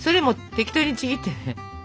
適当にちぎって。